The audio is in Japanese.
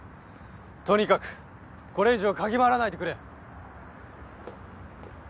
とにかくこれ以上かぎ回らないでくれ。